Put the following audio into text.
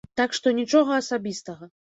Так што нічога асабістага.